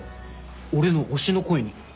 俺の推しの声に。